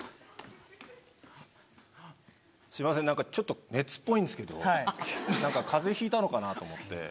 すいません何かちょっと熱っぽいんですけど何か風邪ひいたのかなと思って。